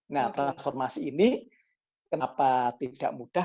nah transformasi ini kenapa tidak mudah